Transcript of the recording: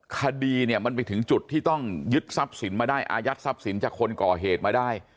คดีเนี่ยมันไปถึงจุดที่ต้องยึดทรัพย์สินมาได้อายัดทรัพย์สินจากคนก่อเหตุมาได้